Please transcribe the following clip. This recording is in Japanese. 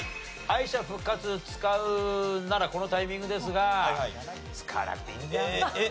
敗者復活使うならこのタイミングですが使わなくていいんじゃない。